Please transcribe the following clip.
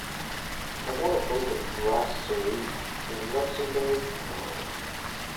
I want to book a brasserie in Luxembourg tomorrow.